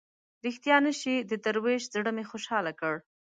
ریښتیا نه شي د دروېش زړه مې خوشاله کړ.